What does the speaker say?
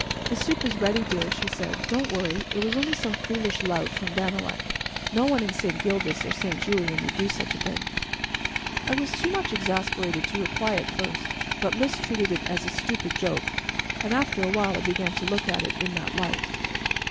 "The soup is ready, dear," she said. "Don't worry; it was only some foolish lout from Bannalec. No one in St. Gildas or St. Julien would do such a thing." I was too much exasperated to reply at first, but Lys treated it as a stupid joke, and after a while I began to look at it in that light.